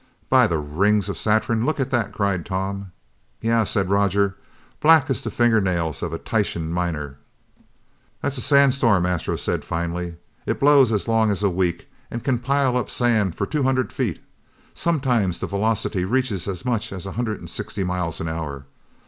"By the rings of Saturn, look at that!" cried Tom. "Yeah," said Roger, "black as the fingernails of a Titan miner!" "That's a sandstorm," Astro said finally. "It blows as long as a week and can pile up sand for two hundred feet. Sometimes the velocity reaches as much as a hundred and sixty miles an hour.